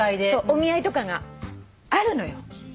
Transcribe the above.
お見合いとかがあるのよ。